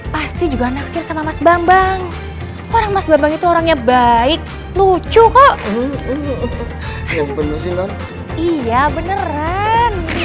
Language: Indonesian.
pasti juga naksir sama mas bambang orang mas bambang itu orangnya baik lucu kok ini yang bener iya beneran